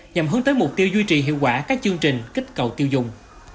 nhằm hướng tới mục tiêu duy trì hiệu quả các chương trình kích cầu tiêu dùng